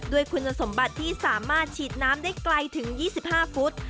ด้วยคุณสมบัติที่สามารถฉีดน้ำได้ไกลถึง๒๕ฟุต